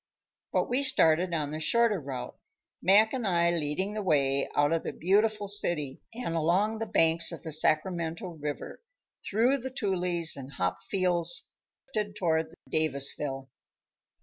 But we started on the shorter route, Mac and I leading the way out of the beautiful city and along the banks of the Sacramento River, through the toolies and hop fields towards Davisville.